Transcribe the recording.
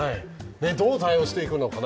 どう対応していくのかな。